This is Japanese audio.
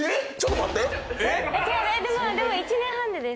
でも１年半でです。